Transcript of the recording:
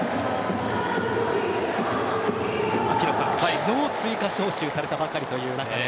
昨日追加招集されたばかりという中で。